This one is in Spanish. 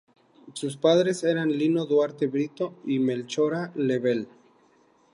Sus padres eran Lino Duarte Brito y Melchora Level.